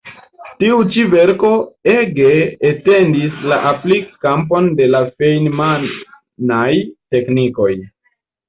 Tiu ĉi verko ege etendis la aplik-kampon de la Feinman-aj teknikoj.